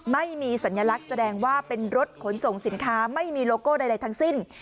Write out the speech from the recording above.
ไม่มีสัญลักษณ์แสดงว่าเป็นรถขนส่งสินค้าไม่มีโลโก้ใดทั้งสิ้น